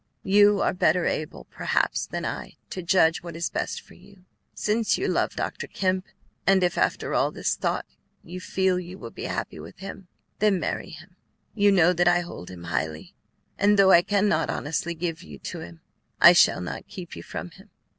You are better able, perhaps, than I to judge what is best for you. Since you love Dr. Kemp, and if after all this thought, you feel you will be happy with him, then marry him. You know that I hold him highly, and though I cannot honestly give you to him, I shall not keep you from him.